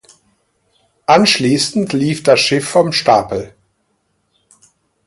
Anschließend lief das Schiff vom Stapel.